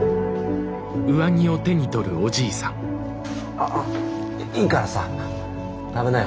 ああいいからさ食べなよ